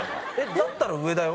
だったら上だよ？